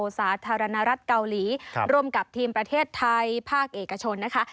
สาธารณรัฐเกาหลีร่วมกับทีมประเทศไทยภาคเอกชนนะคะ